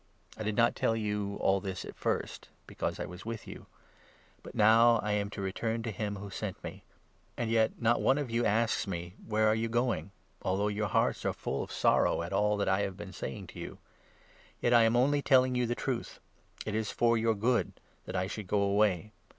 I did not tell you all this at first, because I was with you. But 5 now I am to return to him who sent me ; and yet not one of you asks me —' Where are you going ?', although your hearts 6 are full of sorrow at all that I have been saying to you. Yet I 7 am only telling you the truth ; it is for your good that I should go away.